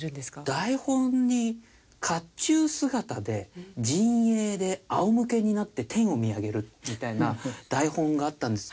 台本に「甲冑姿で陣営であお向けになって天を見上げる」みたいな台本があったんです。